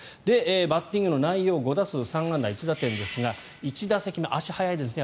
バッティングの内容５打数３安打１打点ですが１打席目、足が速いですね。